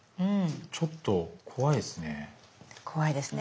ちょっと怖いですね。